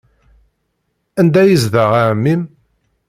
Anda ay yezdeɣ ɛemmi-m?